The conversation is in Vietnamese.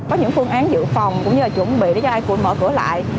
có những phương án dự phòng cũng như là chuẩn bị để cho ai cũng mở cửa lại